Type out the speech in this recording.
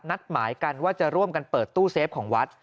นัดหมายกันว่าจะร่วมกันเปิดตู้เซฟของวัด